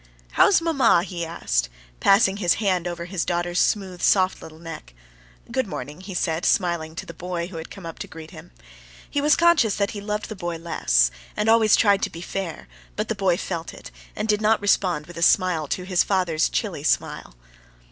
"How is mamma?" he asked, passing his hand over his daughter's smooth, soft little neck. "Good morning," he said, smiling to the boy, who had come up to greet him. He was conscious that he loved the boy less, and always tried to be fair; but the boy felt it, and did not respond with a smile to his father's chilly smile.